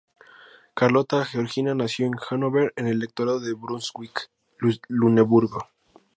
Carlota Georgina nació en Hannover, en el Electorado de Brunswick-Luneburgo.